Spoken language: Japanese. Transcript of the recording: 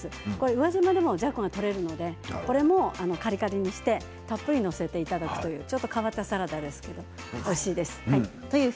宇和島でもじゃこが取れるのでカリカリにしてたっぷり載せていただくというちょっと変わったサラダでおいしいです。